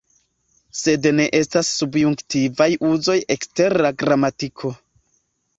Sed ne estas subjunktivaj uzoj ekster la gramatiko.